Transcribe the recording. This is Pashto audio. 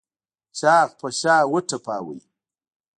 چاغ په شا وټپوه.